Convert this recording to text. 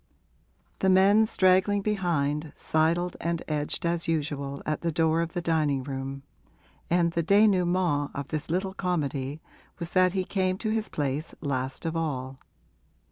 The men, straggling behind, sidled and edged as usual at the door of the dining room, and the dénouement of this little comedy was that he came to his place last of all.